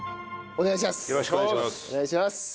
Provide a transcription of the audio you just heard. お願いします。